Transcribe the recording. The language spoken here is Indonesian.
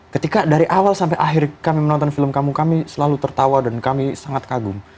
ketika dari awal sampai akhir kami menonton film kamu kami selalu tertawa dan kami sangat kagum